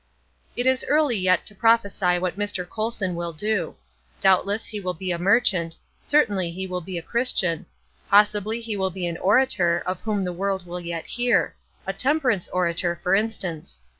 It is early yet to prophesy what Mr. Colson will do. Doubtless he will be a merchant; certainly he will be a Christian; possibly he will be an orator, of whom the world will yet hear, a temperance orator, for instance.